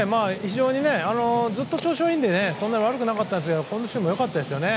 ずっと調子はいいのでそんなに悪くなかったんですがコンディションも良かったですね。